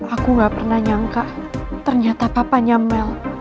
aku gak pernah nyangka ternyata papanya mel